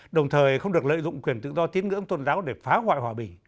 đồng thời không được lợi dụng quyền tự do tín ngưỡng tôn giáo để phá hoại hòa bình